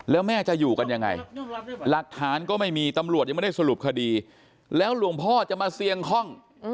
แล้วแม่จะอยู่กันยังไงหลักฐานก็ไม่มีตำรวจยังไม่ได้สรุปคดีแล้วหลวงพ่อจะมาเสี่ยงห้อง